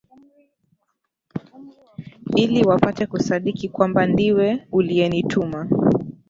ili wapate kusadiki kwamba ndiwe uliyenituma